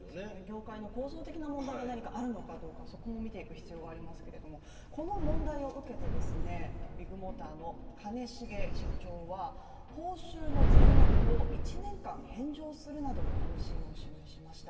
業界の構造的な問題があるのかどうかそも見ていく必要がありますけれども、この問題を受けて、ビッグモーターの兼重社長は報酬の全額を１年間返上するなどの方針を示しました。